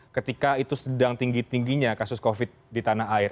ketika itu sedang tinggi tingginya kasus covid di tanah air